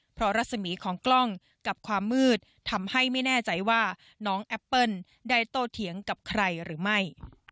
เพราะรัศมีของกล้องกับความมืดทำให้ไม่แน่ใจว่าน้องแอปเปิ้ลได้โตเถียงกับใครหรือไม่